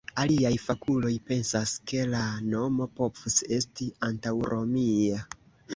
Aliaj fakuloj pensas, ke la nomo povus esti antaŭromia.